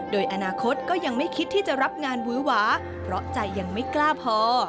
โดยอนาคตก็ยังไม่คิดที่จะรับงานวื้อหวาเพราะใจยังไม่กล้าพอ